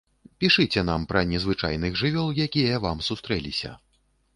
Пішыце нам пра незвычайных жывёл, якія вам сустрэліся.